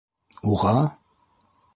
Уға?!